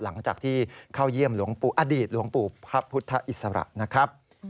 หลังจากที่เข้าเยี่ยมอดีตหลวงปู่พระพุทธอิสระ